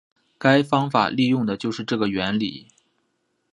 该方法利用的就是这个原理。